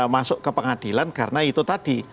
masuk ke pengadilan karena itu tadi